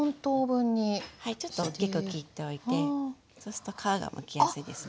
はいちょっとおっきく切っておいてそうすると皮がむきやすいですね。